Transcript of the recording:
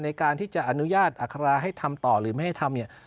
ในการที่จะอนุญาตอัคราให้ทำต่อหรือไม่ให้ทำเนี่ย